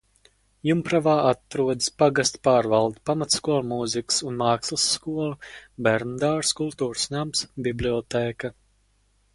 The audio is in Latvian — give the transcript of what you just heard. Jumpravā atrodas pagasta pārvalde, pamatskola, mūzikas un mākslas skola, bērnudārzs, kultūras nams, bibliotēka.